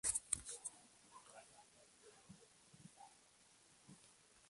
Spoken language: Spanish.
Los machos reproductores suelen ser de colores rojo o amarillo brillante.